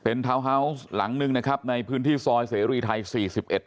ทาวน์ฮาวส์หลังหนึ่งนะครับในพื้นที่ซอยเสรีไทยสี่สิบเอ็ด